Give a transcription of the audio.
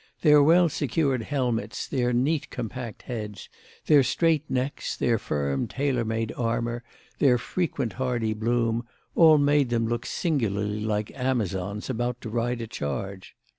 Their well secured helmets, their neat compact heads, their straight necks, their firm tailor made armour, their frequent hardy bloom, all made them look singularly like amazons about to ride a charge.